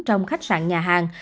trong khách sạn nhà hàng